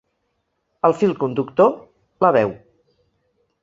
El fil conductor: la veu.